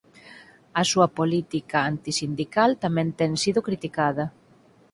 A súa política antisindical tamén ten sido criticada.